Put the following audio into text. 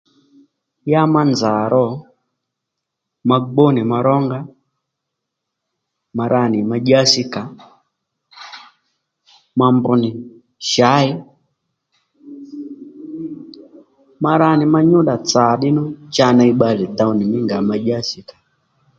Ya ma nzà ro ma gbú nì ma rónga ma ra nì ma dyási kà ò ma mbr nì shǎy ma ra nì ma nyúddà tsa ddí nú cha ney bbalè dow nì mí nga ma dyási dè